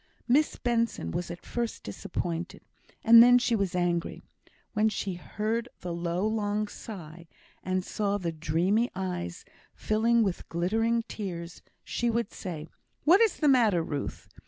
Miss Benson was at first disappointed, and then she was angry. When she heard the low, long sigh, and saw the dreamy eyes filling with glittering tears, she would say, "What is the matter, Ruth?"